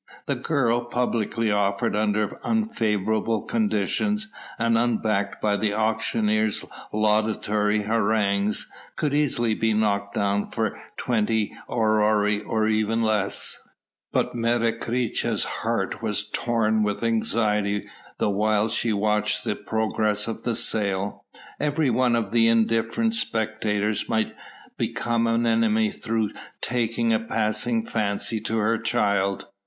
The girl, publicly offered under unfavourable conditions, and unbacked by the auctioneer's laudatory harangues, could easily be knocked down for twenty aurei or even less. But Menecreta's heart was torn with anxiety the while she watched the progress of the sale. Every one of these indifferent spectators might become an enemy through taking a passing fancy to her child.